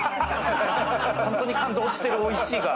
本当に感動してる「おいしい」が。